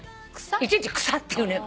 いちいち「草！」って言うのよ。